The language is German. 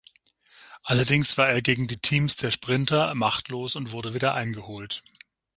Allerdings war er gegen die Teams der Sprinter machtlos und wurde wieder eingeholt.